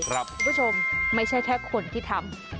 คุณผู้ชมไม่ใช่แค่คนที่ทำ